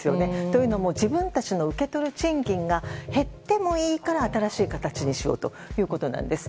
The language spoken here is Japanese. というのも自分たちの受け取る賃金が減ってもいいから新しい形にしようということなんです。